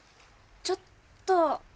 ちょっと。